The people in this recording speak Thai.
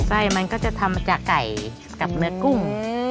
ไส้มันก็จะทำมาจากไก่กับเนื้อกุ้ง